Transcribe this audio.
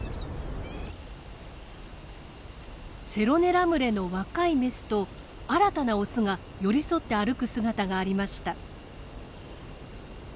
セロネラ群れの若いメスと新たなオスが寄り添って歩く姿がありました。